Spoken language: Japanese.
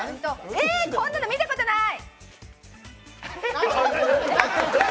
えー、こんなの見たことない。